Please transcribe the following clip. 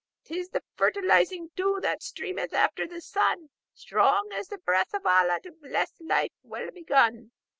"'Tis the fertilizing dew that streameth after the sun, Strong as the breath of Allah to bless life well begun."